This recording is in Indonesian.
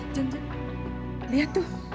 jeng jeng lihat tuh